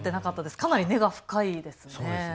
かなり根が深いですね。